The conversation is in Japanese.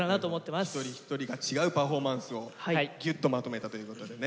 一人一人が違うパフォーマンスをぎゅっとまとめたということでね。